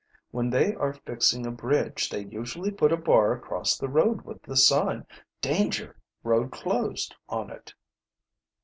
"When they are fixing a bridge they usually put a bar across the road with the sign: 'Danger! Road Closed,' on it."